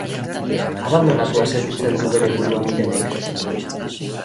Abandonatuta sentitzen du bere burua Mirenek.